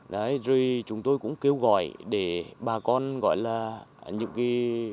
rồi chúng tôi cũng kêu gọi để bà con gọi là những cơ hội